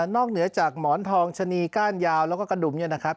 เหนือจากหมอนทองชะนีก้านยาวแล้วก็กระดุมเนี่ยนะครับ